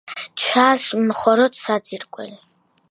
ჩანს მხოლოდ საძირკველი.